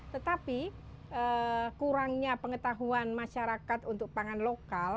tetapi kurangnya pengetahuan masyarakat untuk pangan lokal